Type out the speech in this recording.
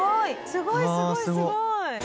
すごいすごいすごい！